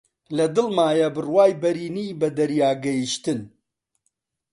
لە دڵمایە بڕوای بەرینی بە دەریا گەیشتن